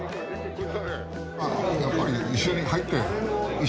やっぱりね一緒に入って。